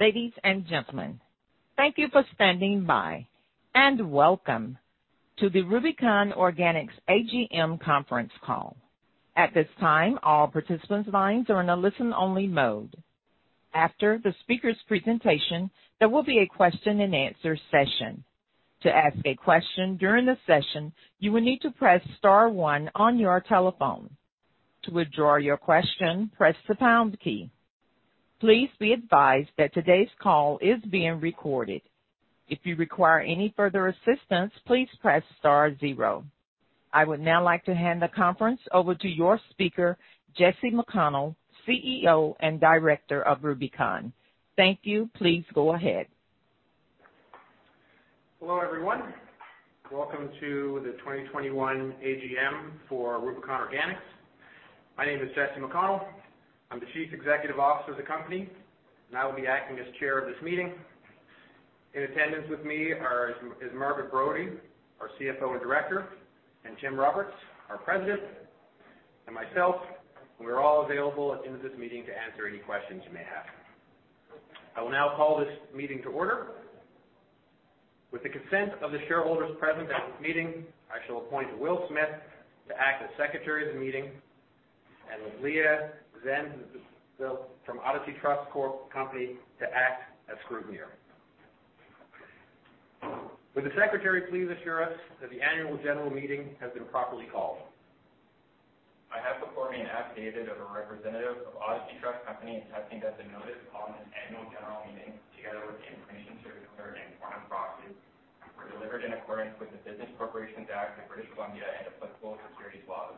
Ladies and gentlemen, thank you for standing by, and welcome to the Rubicon Organics AGM conference call. At this time all participants are in listen only mode. After the speakers' presentation, there will be a Q&A session. To ask a question during the conference you will need to star one, to withdraw your question press the pound key, please be advised that today's call is being recorded, if you require any further assistance please press star zero. I would now like to hand the conference over to your speaker, Jesse McConnell, CEO and Director of Rubicon. Thank you. Please go ahead. Hello, everyone. Welcome to the 2021 AGM for Rubicon Organics. My name is Jesse McConnell. I'm the Chief Executive Officer of the company, and I will be acting as chair of this meeting. In attendance with me is Margaret Brodie, our CFO and director, and Tim Roberts, our President, and myself. We're all available at the end of this meeting to answer any questions you may have. I will now call this meeting to order. With the consent of the shareholders present at this meeting, I shall appoint Will Smith to act as secretary of the meeting and Lia Zemsky from Odyssey Trust Company to act as scrutineer. Would the secretary please assure us that the annual general meeting has been properly called? I have before me an affidavit of a representative of Odyssey Trust Company, attesting that the notice of this annual general meeting, together with the information circular and form of proxy, were delivered in accordance with the Business Corporations Act of British Columbia and applicable securities laws.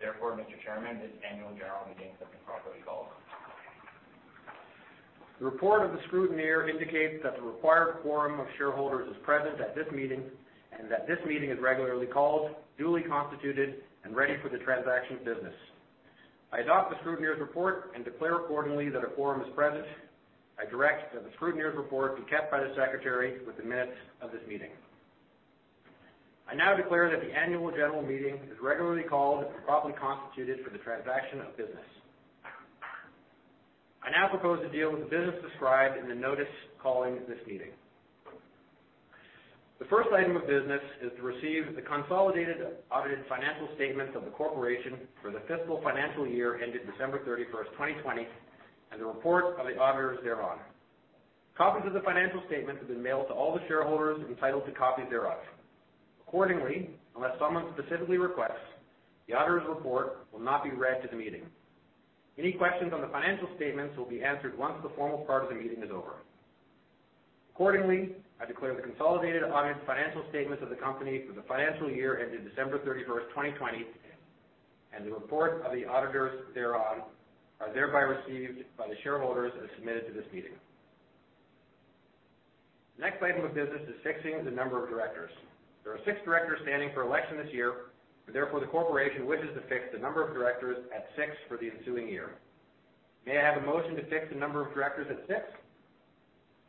Therefore, Mr. Chairman, this annual general meeting has been properly called. The report of the scrutineer indicates that the required quorum of shareholders is present at this meeting and that this meeting is regularly called, duly constituted, and ready for the transaction of business. I adopt the scrutineer's report and declare accordingly that a quorum is present. I direct that the scrutineer's report be kept by the secretary with the minutes of this meeting. I now declare that the annual general meeting is regularly called and properly constituted for the transaction of business. I now propose to deal with the business described in the notice calling this meeting. The first item of business is to receive the consolidated audited financial statements of the corporation for the fiscal financial year ended December 31st, 2020, and the report of the auditors thereon. Copies of the financial statements have been mailed to all the shareholders entitled to copies thereof. Accordingly, unless someone specifically requests, the auditor's report will not be read to the meeting. Any questions on the financial statements will be answered once the formal part of the meeting is over. Accordingly, I declare the consolidated audited financial statements of the company for the financial year ended December 31st, 2020, and the report of the auditors thereon, are thereby received by the shareholders as submitted to this meeting. The next item of business is fixing the number of directors. There are six directors standing for election this year. Therefore, the corporation wishes to fix the number of directors at six for the ensuing year. May I have a motion to fix the number of directors at six?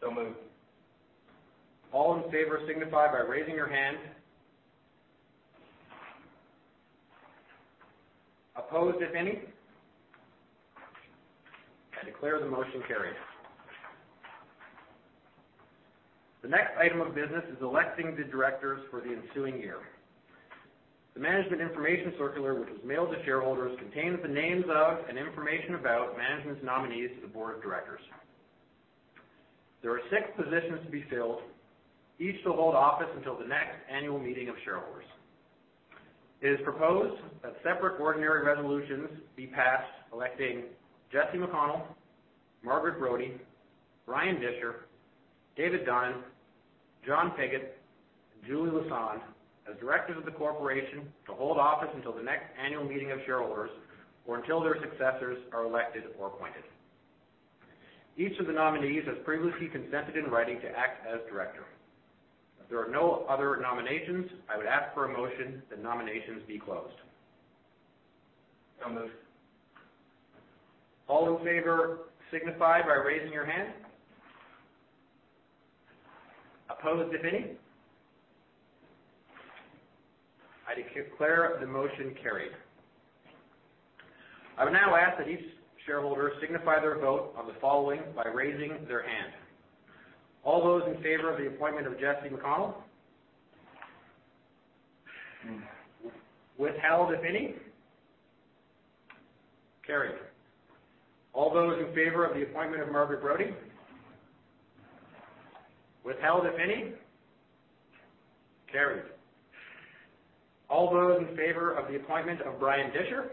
So moved. All in favor, signify by raising your hand. Opposed, if any. I declare the motion carried. The next item of business is electing the directors for the ensuing year. The management information circular, which was mailed to shareholders, contains the names of and information about management's nominees to the board of directors. There are six positions to be filled, each to hold office until the next annual meeting of shareholders. It is proposed that separate ordinary resolutions be passed, electing Jesse McConnell, Margaret Brodie, Bryan Disher, David Donnan, John Pigott, and Julie Lassonde as directors of the corporation to hold office until the next annual meeting of shareholders or until their successors are elected or appointed. Each of the nominees has previously consented in writing to act as director. If there are no other nominations, I would ask for a motion that nominations be closed. So moved. All in favor, signify by raising your hand. Opposed, if any. I declare the motion carried. I would now ask that each shareholder signify their vote on the following by raising their hand. All those in favor of the appointment of Jesse McConnell. Withheld, if any. Carried. All those in favor of the appointment of Margaret Brodie. Withheld, if any. Carried. All those in favor of the appointment of Bryan Disher.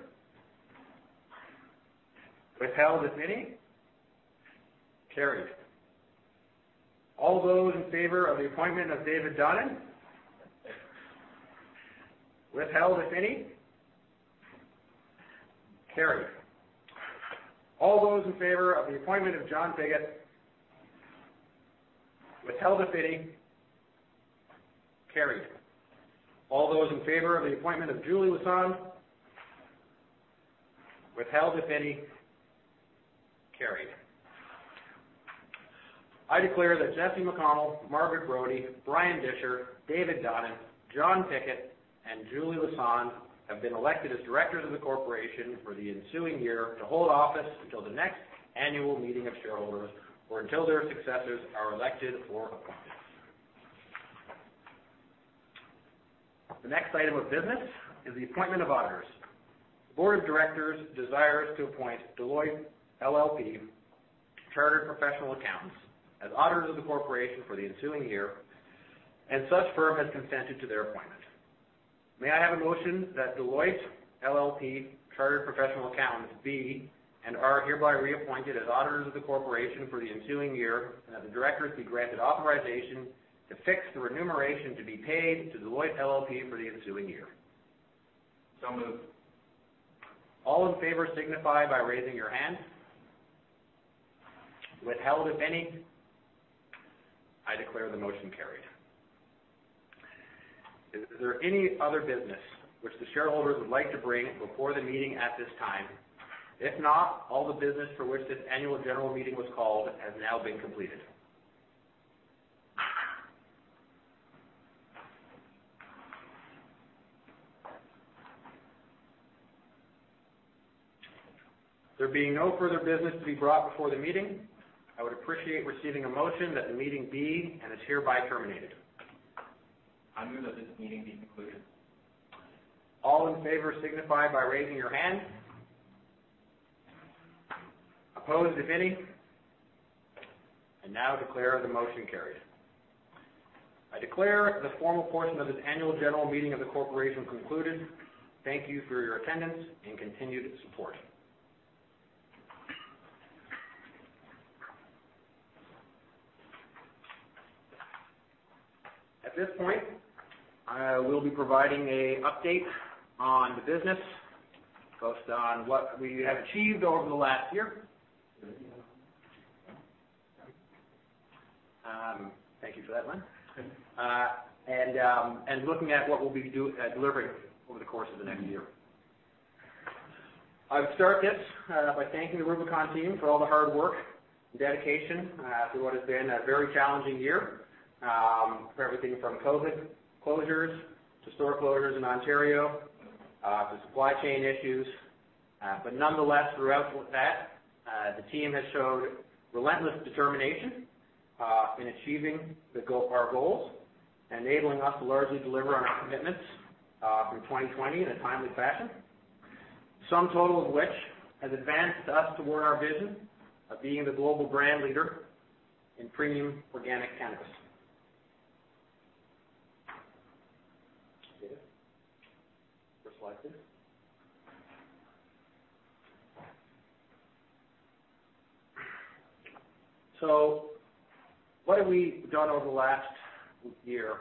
Withheld, if any. Carried. All those in favor of the appointment of David Donnan. Withheld, if any. Carried. All those in favor of the appointment of John Pigott. Withheld, if any. Carried. All those in favor of the appointment of Julie Lassonde. Withheld, if any. Carried. I declare that Jesse McConnell, Margaret Brodie, Bryan Disher, David Donnan, John Pigott, and Julie Lassonde have been elected as directors of the corporation for the ensuing year to hold office until the next annual meeting of shareholders, or until their successors are elected or appointed. The next item of business is the appointment of auditors. The board of directors desires to appoint Deloitte LLP Chartered Professional Accountants as auditors of the corporation for the ensuing year, and such firm has consented to their appointment. May I have a motion that Deloitte LLP Chartered Professional Accountants be and are hereby reappointed as auditors of the corporation for the ensuing year, and that the directors be granted authorization to fix the remuneration to be paid to Deloitte LLP for the ensuing year. So moved. All in favor, signify by raising your hand. Withheld, if any. I declare the motion carried. Is there any other business which the shareholders would like to bring before the meeting at this time? If not, all the business for which this annual general meeting was called has now been completed. There being no further business to be brought before the meeting, I would appreciate receiving a motion that the meeting be, and is hereby terminated. I move that this meeting be concluded. All in favor, signify by raising your hand. Opposed, if any. Now declare the motion carried. I declare the formal portion of this annual general meeting of the corporation concluded. Thank you for your attendance and continued support. At this point, I will be providing an update on the business, both on what we have achieved over the last year. Thank you for that, Len. Sure. Looking at what we'll be delivering over the course of the next year. I would start this by thanking the Rubicon team for all the hard work and dedication through what has been a very challenging year, for everything from COVID closures to store closures in Ontario to supply chain issues. Nonetheless, throughout that, the team has showed relentless determination in achieving our goals, enabling us to largely deliver on our commitments from 2020 in a timely fashion. Sum total of which has advanced us toward our vision of being the global brand leader in premium organic cannabis. David, first slide, please. What have we done over the last year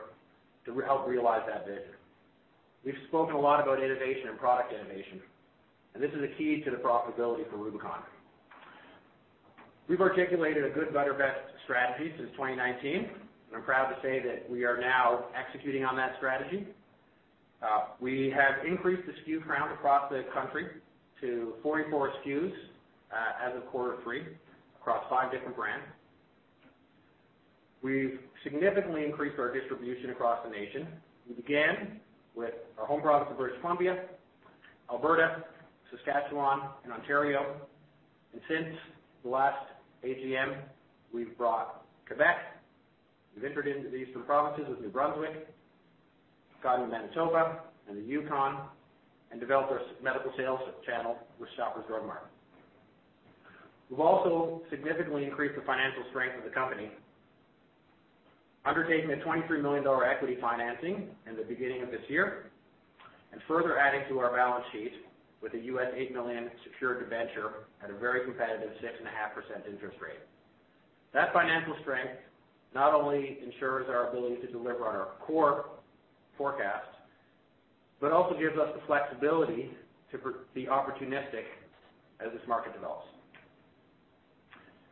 to help realize that vision? We've spoken a lot about innovation and product innovation, this is a key to the profitability for Rubicon. We've articulated a good, better, best strategy since 2019, and I'm proud to say that we are now executing on that strategy. We have increased the SKU count across the country to 44 SKUs as of quarter three, across five different brands. We've significantly increased our distribution across the nation. We began with our home province of British Columbia, Alberta, Saskatchewan, and Ontario. Since the last AGM, we've brought Quebec, we've entered into the Eastern provinces of New Brunswick, gone to Manitoba and the Yukon, and developed our medical sales channel with Shoppers Drug Mart. We've also significantly increased the financial strength of the company, undertaking a 23 million dollar equity financing in the beginning of this year, and further adding to our balance sheet with an $8 million secured debenture at a very competitive 6.5% interest rate. That financial strength not only ensures our ability to deliver on our core forecasts, but also gives us the flexibility to be opportunistic as this market develops.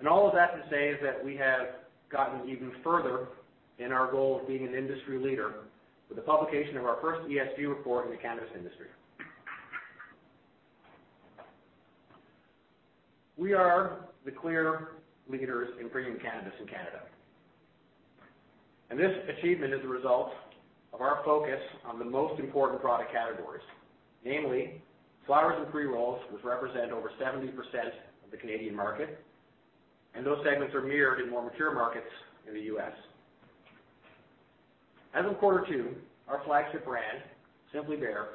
All of that to say is that we have gotten even further in our goal of being an industry leader, with the publication of our first ESG report in the cannabis industry. We are the clear leaders in premium cannabis in Canada. This achievement is a result of our focus on the most important product categories, namely flowers and pre-rolls, which represent over 70% of the Canadian market. Those segments are mirrored in more mature markets in the U.S. As of quarter two, our flagship brand, Simply Bare,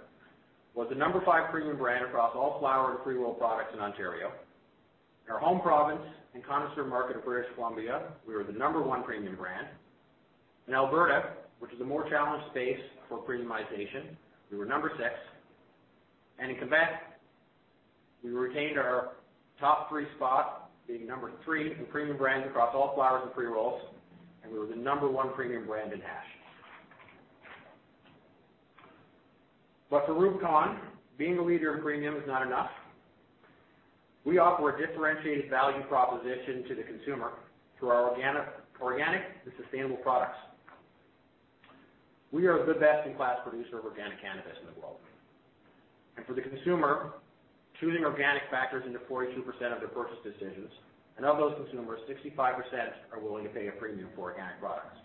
was the number five premium brand across all flower and pre-roll products in Ontario. In our home province and connoisseur market of British Columbia, we were the number one premium brand. In Alberta, which is a more challenged space for premiumization, we were number 6. In Quebec, we retained our top three spot, being number 3 in premium brands across all flowers and pre-rolls, and we were the number 1 premium brand in hash. For Rubicon, being a leader in premium is not enough. We offer a differentiated value proposition to the consumer through our organic and sustainable products. We are a good best-in-class producer of organic cannabis in the world. For the consumer, choosing organic factors into 42% of their purchase decisions. Of those consumers, 65% are willing to pay a premium for organic products.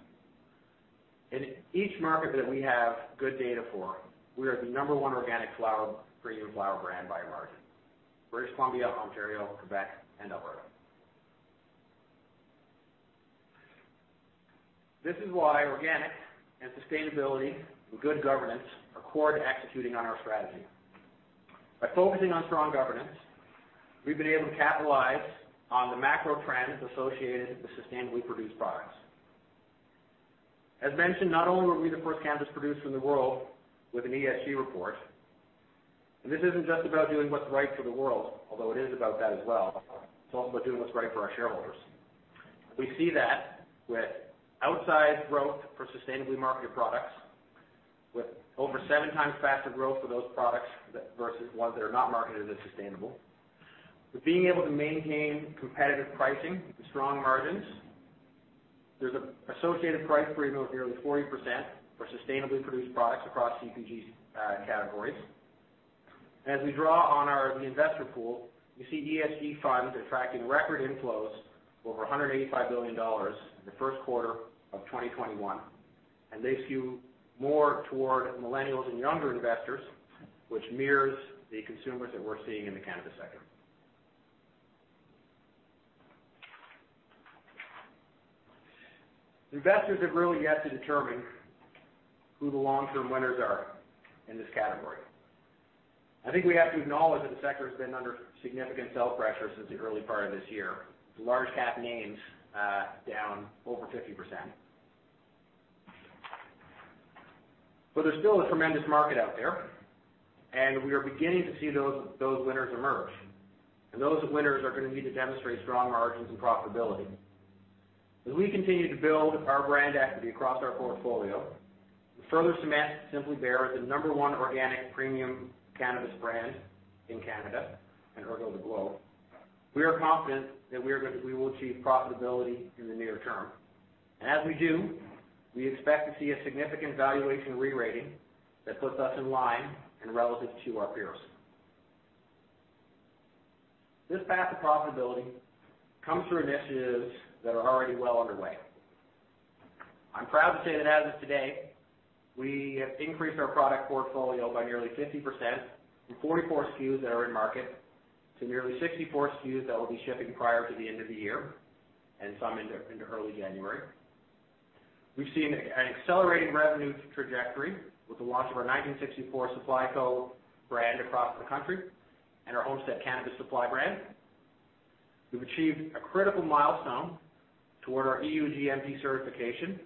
In each market that we have good data for, we are the number 1 organic premium flower brand by margin. British Columbia, Ontario, Quebec, and Alberta. This is why organic and sustainability and good governance are core to executing on our strategy. By focusing on strong governance, we've been able to capitalize on the macro trends associated with sustainably produced products. As mentioned, not only were we the first cannabis producer in the world with an ESG report, this isn't just about doing what's right for the world, although it is about that as well, it's also about doing what's right for our shareholders. We see that with outsized growth for sustainably marketed products, with over seven times faster growth for those products versus ones that are not marketed as sustainable. We're being able to maintain competitive pricing and strong margins. There's an associated price premium of nearly 40% for sustainably produced products across CPG categories. As we draw on the investor pool, we see ESG funds attracting record inflows of over 185 billion dollars in the first quarter of 2021. They skew more toward millennials and younger investors, which mirrors the consumers that we're seeing in the cannabis sector. Investors have really yet to determine who the long-term winners are in this category. I think we have to acknowledge that the sector has been under significant sell pressure since the early part of this year, with large cap names, down over 50%. There's still a tremendous market out there, and we are beginning to see those winners emerge. Those winners are going to need to demonstrate strong margins and profitability. As we continue to build our brand equity across our portfolio and further cement Simply Bare as the number one organic premium cannabis brand in Canada, and ergo the globe, we are confident that we will achieve profitability in the near term. As we do, we expect to see a significant valuation re-rating that puts us in line and relative to our peers. This path of profitability comes through initiatives that are already well underway. I'm proud to say that as of today, we have increased our product portfolio by nearly 50%, from 44 SKUs that are in market, to nearly 64 SKUs that will be shipping prior to the end of the year, and some into early January. We've seen an accelerating revenue trajectory with the launch of our 1964 Supply Co. brand across the country and our Homestead Cannabis Supply brand. We've achieved a critical milestone toward our EU GMP certification.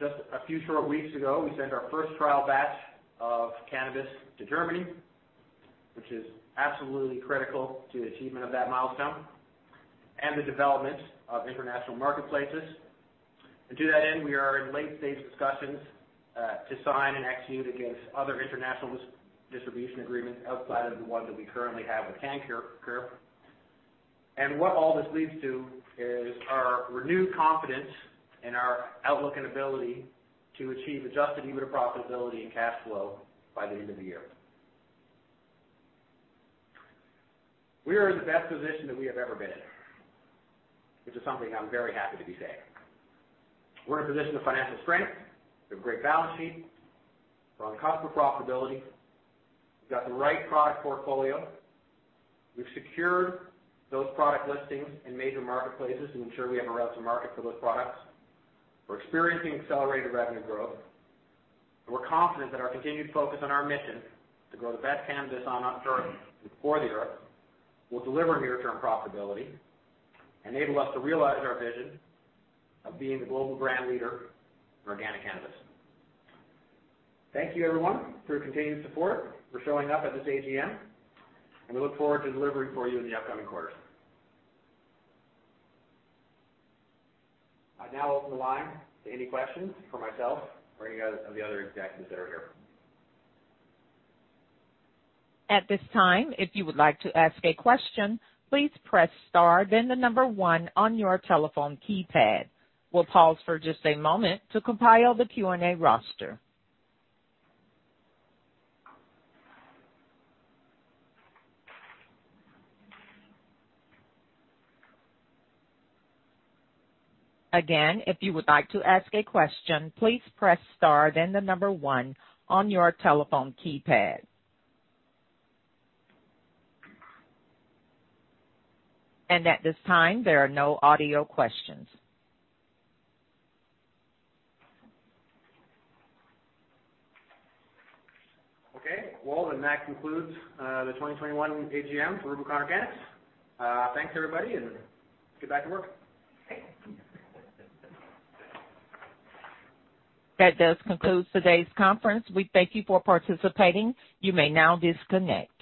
Just a few short weeks ago, we sent our first trial batch of cannabis to Germany, which is absolutely critical to the achievement of that milestone and the development of international marketplaces. To that end, we are in late-stage discussions to sign and execute against other international distribution agreements outside of the one that we currently have with Canacur. What all this leads to is our renewed confidence in our outlook and ability to achieve adjusted EBITDA profitability and cash flow by the end of the year. We are in the best position that we have ever been in, which is something I'm very happy to be saying. We're in a position of financial strength. We have a great balance sheet. We're on the cusp of profitability. We've got the right product portfolio. We've secured those product listings in major marketplaces to ensure we have a route to market for those products. We're experiencing accelerated revenue growth, and we're confident that our continued focus on our mission to grow the best cannabis on Earth and for the Earth will deliver near-term profitability, enable us to realize our vision of being the global brand leader in organic cannabis. Thank you, everyone, for your continued support, for showing up at this AGM, and we look forward to delivering for you in the upcoming quarters. I now open the line to any questions for myself or any of the other executives that are here. At this time, if you would like to ask a question, please press star then the number one on your telephone keypad. We'll pause for just a moment to compile the Q&A roster. Again, if you would like to ask a question, please press star then the number one on your telephone keypad. At this time, there are no audio questions. Okay. Well, that concludes the 2021 AGM for Rubicon Organics. Thanks, everybody, and let's get back to work. That does conclude today's conference. We thank you for participating. You may now disconnect.